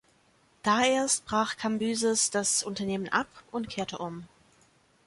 Da erst brach Kambyses das Unternehmen ab und kehrte um.